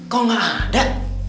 kok nggak ada